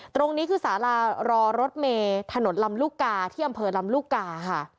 ตรงนี้คือสารารอรถเมถนนลำลูกกาที่อำเภอลำลูกกาค่ะ